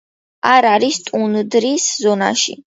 არ არის ტუნდრის ზონაში.